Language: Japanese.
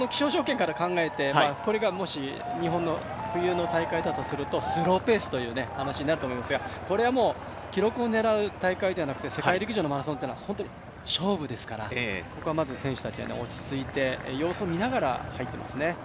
気象条件から考えて、もしこれが日本の冬の大会ですとスローペースという話になると思いますが、これは記録を狙う大会ではなくて世界陸上のマラソンというのは勝負ですから様子を見ながら、入っていますね。